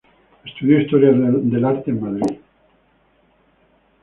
Estudió historia del arte en Madrid.